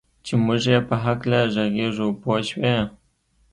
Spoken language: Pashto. چې موږ یې په هکله ږغېږو پوه شوې!.